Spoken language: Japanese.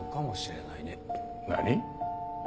何？